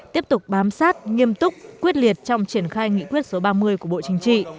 tiếp tục bám sát nghiêm túc quyết liệt trong triển khai nghị quyết số ba mươi của bộ chính trị